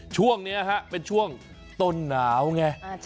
ช่วง่เนี่ยอ่ะฮะเป็นช่วงต้นหนาวไง